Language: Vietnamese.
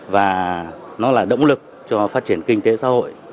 và nó là động lực cho phát triển kinh tế xã hội